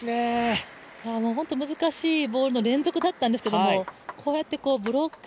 ホント難しいボールの連続だったんですけどこうやってブロック、